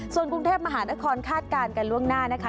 ส่วนกรุงเทพมหานครคาดการณ์กันล่วงหน้านะคะ